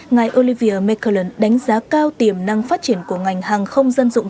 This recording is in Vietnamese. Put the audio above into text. ngài olivia mckellan đánh giá cao tiềm năng phát triển của ngành hàng không dân dụng